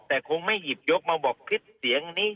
แต่คงไม่หยิบยกมาบอกคลิปเสียงนี้